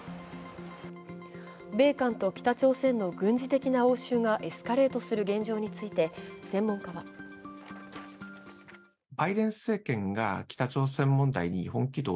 米韓と北朝鮮の軍事的な応酬がエスカレートする現状について専門家はかつてない緊張が高まる